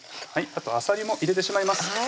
あとあさりも入れてしまいます